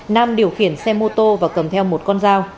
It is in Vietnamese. nam điều khiển xe mô tô và cầm theo một con dao